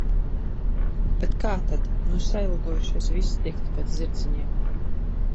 Bet kā tad... Nu sailgojušies visi dikti pēc zirdziņiem.